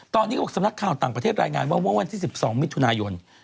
ตอนนี้บอกสำนักข่าวต่างประเทศรายงานว่าเมื่อวันที่๑๒มิถุนายน